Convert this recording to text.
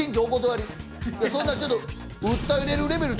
「そんなちょっと」